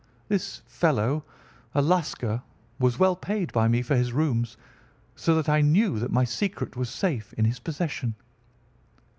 This fellow, a Lascar, was well paid by me for his rooms, so that I knew that my secret was safe in his possession.